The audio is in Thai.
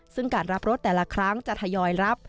ซึ่งการรับรถแต่ละครั้งจะทยอยรับ